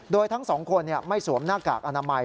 โดยทั้งสองคนไม่สวมหน้ากากอนามัย